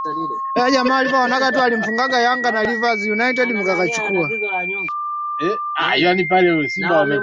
miongoni mwa wale ambao walikuwa wanaimba